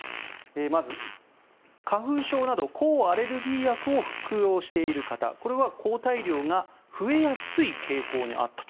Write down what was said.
まず、花粉症など抗アレルギー薬を服用している方これは抗体量が増えやすい傾向にあったと。